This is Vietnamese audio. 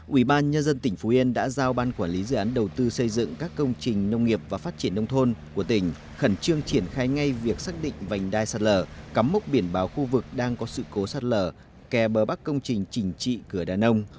ủy ban nhân dân tỉnh phú yên đã giao ban quản lý dự án đầu tư xây dựng các công trình nông nghiệp và phát triển nông thôn của tỉnh khẩn trương triển khai ngay việc xác định vành đai sạt lở cắm mốc biển báo khu vực đang có sự cố sạt lở kè bờ bắc công trình chỉnh trị cửa đàn ông